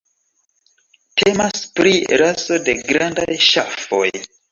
Temas pri raso de grandaj ŝafoj.